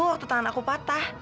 waktu tangan aku patah